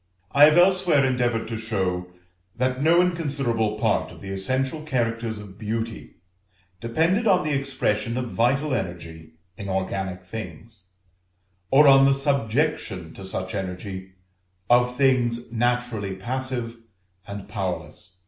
I have elsewhere endeavored to show, that no inconsiderable part of the essential characters of Beauty depended on the expression of vital energy in organic things, or on the subjection to such energy, of things naturally passive and powerless.